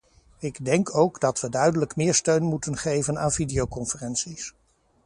Ik denk ook dat we duidelijk meer steun moeten geven aan videoconferenties.